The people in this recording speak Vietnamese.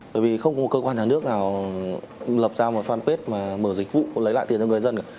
bởi vì không có một cơ quan nhà nước nào lập ra một fanpage mà mở dịch vụ lấy lại tiền cho người dân cả